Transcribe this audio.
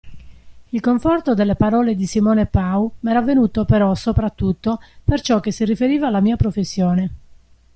Il conforto delle parole di Simone Pau m'era venuto però sopra tutto per ciò che si riferiva alla mia professione.